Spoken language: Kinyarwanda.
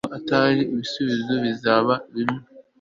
yaba aje cyangwa ataje, ibisubizo bizaba bimwe